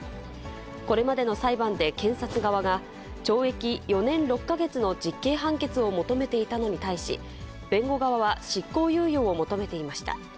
これまでの裁判で検察側が、懲役４年６か月の実刑判決を求めていたのに対し、弁護側は執行猶予を求めていました。